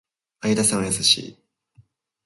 相田さんは優しい